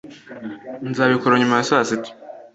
nzabikora nyuma ya saa sita